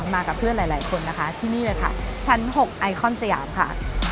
มากับเพื่อนหลายคนนะคะที่นี่เลยค่ะชั้น๖ไอคอนสยามค่ะ